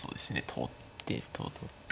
取って取って。